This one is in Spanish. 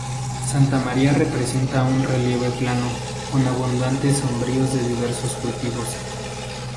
Santa María presenta un relieve plano, con abundantes sombríos de diversos cultivos.